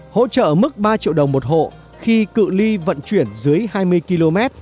hỗ trợ mức ba triệu đồng một hộ khi cự li vận chuyển dưới hai mươi km